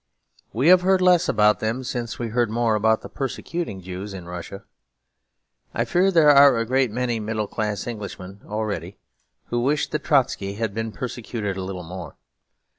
We have heard less about them since we heard more about the persecuting Jews in Russia. I fear there are a great many middle class Englishmen already who wish that Trotsky had been persecuted a little more.